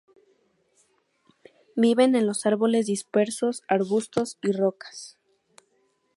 Viven en los árboles dispersos, arbustos y rocas.